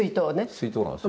水筒なんですよ。